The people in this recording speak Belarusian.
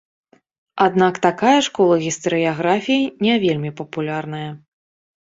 Аднак такая школа гістарыяграфіі не вельмі папулярная.